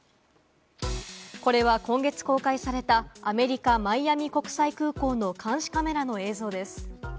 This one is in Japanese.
これは今月公開されたアメリカ・マイアミ国際空港の監視カメラの映像です。